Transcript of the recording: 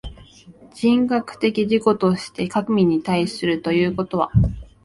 人格的自己として神に対するということは、